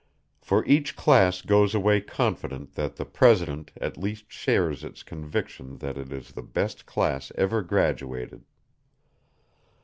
For each class goes away confident that the president at least shares its conviction that it is the best class ever graduated.